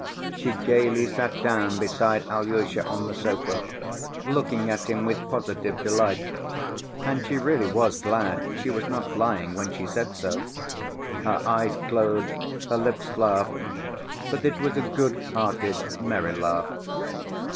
She gayly sat down beside Alyosha on the sofa, looking at him with positive delight. And she really was glad, she was not lying when she said so. Her eyes glowed, her lips laughed, but it was a good‐hearted merry laugh.